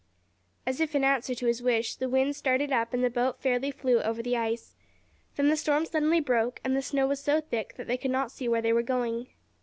As if in answer to his wish the wind started up and the boat fairly flew over the ice. Then the storm suddenly broke and the snow was so thick that they could not see where they were going.